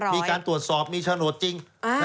มีการตรวจสอบมีโฉนดจริง